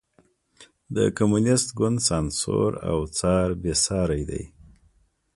د کمونېست ګوند سانسور او څار بېساری دی.